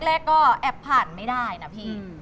แรกก็แอบผ่านไม่ได้นะพี่